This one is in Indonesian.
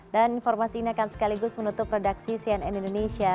dan informasinya akan sekaligus menutup redaksi siang indonesia